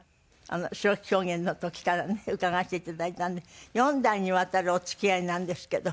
白木狂言の時からね伺わせて頂いたんで４代にわたるお付き合いなんですけど。